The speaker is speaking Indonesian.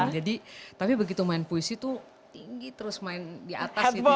jadi tapi begitu main puisi tuh tinggi terus main di atas gitu ya